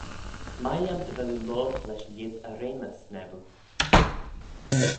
S'mie lhiam dy vel oo loayrt lesh lhied y reamys, naboo.